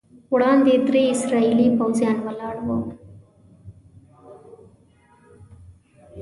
وړاندې درې اسرائیلي پوځیان ولاړ وو.